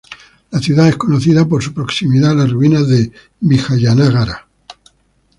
La ciudad es conocida por su proximidad a las ruinas de Vijayanagara.